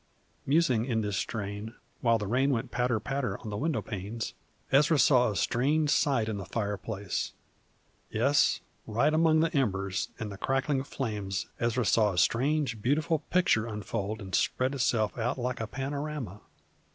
Musing in this strain, while the rain went patter patter on the window panes, Ezra saw a strange sight in the fireplace, yes, right among the embers and the crackling flames Ezra saw a strange, beautiful picture unfold and spread itself out like a panorama.